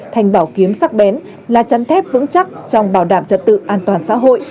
thành bảo kiếm sắc bén là chăn thép vững chắc trong bảo đảm trật tự an toàn xã hội